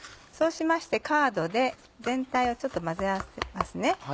そうしましてカードで全体を混ぜ合わせますね。